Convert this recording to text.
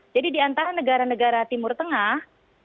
jadi di antara negara negara timur tengah